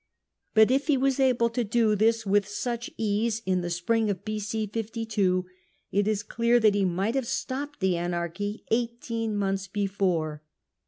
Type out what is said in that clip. But if he was able to do this with such ease in the spring of B.o. 52, it is clear that he might have stopped the anarchy eighteen months before.